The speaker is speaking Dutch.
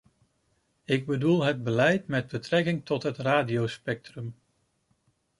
Ik bedoel het beleid met betrekking tot het radiospectrum.